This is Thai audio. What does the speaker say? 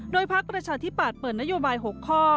โดยภาคประชาธิปาศเปิดนโยบายหกข้อ